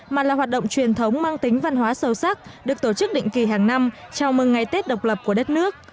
mà là hoạt động truyền thống mang tính văn hóa sâu sắc được tổ chức định kỳ hàng năm chào mừng ngày tết độc lập của đất nước